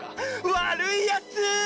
わるいやつ！